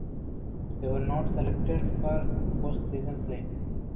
They were not selected for postseason play.